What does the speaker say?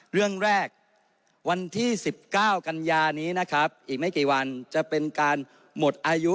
เรื่องแรกวันที่๑๙กันยานี้นะครับอีกไม่กี่วันจะเป็นการหมดอายุ